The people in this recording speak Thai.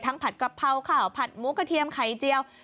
ผัดกะเพราข่าวผัดหมูกระเทียมไข่เจียว